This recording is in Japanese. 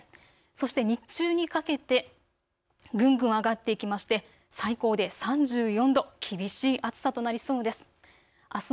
そして日中にかけてぐんぐん上がっていきまして最高で３４度、厳しい暑さとなりそうです。